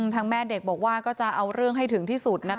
แม่เด็กบอกว่าก็จะเอาเรื่องให้ถึงที่สุดนะคะ